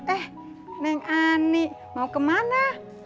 eh neng ani mau ke mana